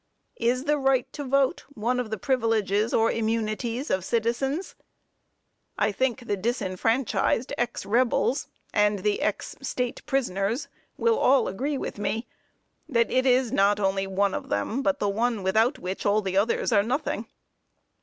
Is the right to vote one of the privileges or immunities of citizens? I think the disfranchised ex rebels, and the ex state prisoners will all agree with me, that it is not only one of them, but the one without which all the others are nothing.